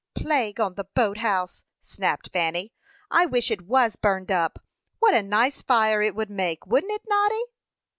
"Plague on the boat house!" snapped Fanny. "I wish it was burned up. What a nice fire it would make! wouldn't it, Noddy?"